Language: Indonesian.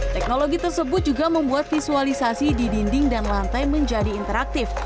teknologi tersebut juga membuat visualisasi di dinding dan lantai menjadi interaktif